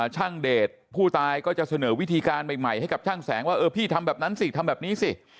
ช่างเดชผู้ตายก็จะเสนอวิธีการใหม่ให้กับช่างแสงว่าเออพี่ทำแบบนั้นสิทำแบบนี้สิ